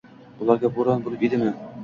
Bularga bo‘ron bo‘lib edimi?